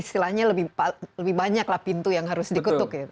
dan istilahnya lebih banyak lah pintu yang harus dikutuk ya